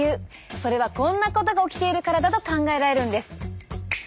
それはこんなことが起きているからだと考えられるんです。